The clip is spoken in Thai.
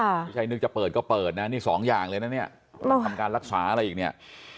ไม่ใช่นึกจะเปิดก็เปิดนะนี่สองอย่างเลยนะเนี่ยต้องทำการรักษาอะไรอีกเนี่ย